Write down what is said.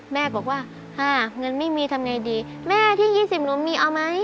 แม่บอกว่าอ่าเงินไม่มีทำไงดีแม่ที่๒๐หนูมีเอาไหม